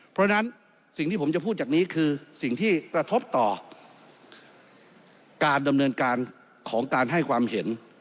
เพราะฉะนั้นสิ่งที่ผมจะพูดจากนี้คือสิ่งที่กระทบต่อการดำเนินการของการให้ความเห็น